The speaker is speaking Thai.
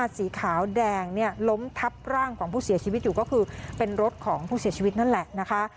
สีขาวแดงเนี่ยล้มทับร่างของผู้เสียชีวิตอยู่ก็คือเป็นรถของผู้เสียชีวิตนั่นแหละนะคะ